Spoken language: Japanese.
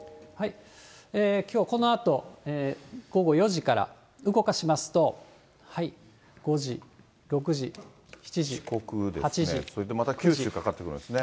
きょうはこのあと午後４時から動かしますと、５時、６時、四国ですね。